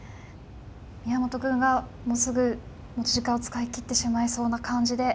宮本くんがもうすぐ持ち時間を使い切ってしまいそうな感じで。